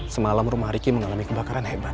semalam rumah riki mengalami kebakaran hebat